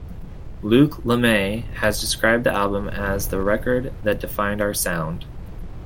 Luc Lemay has described the album as the record that defined our sound.